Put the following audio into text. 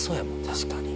確かに。